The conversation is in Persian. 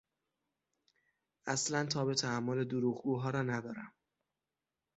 اصلا تاب تحمل دروغگوها را ندارم.